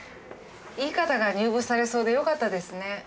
いい方が入部されそうでよかったですね。